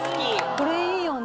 これいいね。